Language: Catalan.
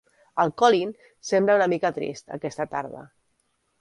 El Colin sembla una mica trist aquesta tarda